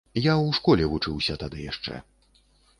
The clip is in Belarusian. Я ў школе вучыўся тады яшчэ.